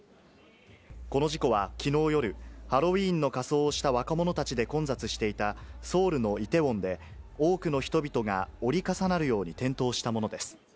この事故は、きのう夜、ハロウィーンの仮装をした若者たちで混雑していた、ソウルのイテウォンで、多くの人々が折り重なるように転倒したものです。